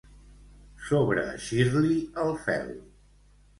Sobreeixir-li el fel.